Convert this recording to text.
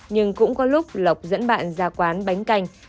nhưng cũng có lúc lộc dẫn bạn ra quán bánh canh